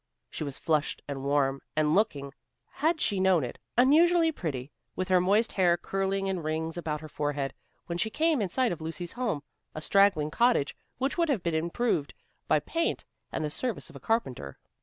She was flushed and warm, and looking, had she known it, unusually pretty, with her moist hair curling in rings about her forehead, when she came in sight of Lucy's home, a straggling cottage which would have been improved by paint and the services of a carpenter.